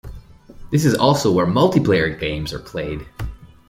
This is also where multiplayer games are played.